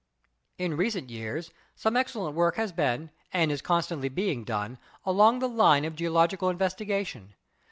In recent years some excellent work has been, and is constantly being done, along the line of geological investi gation.